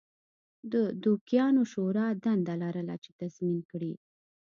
د دوکیانو شورا دنده لرله چې تضمین کړي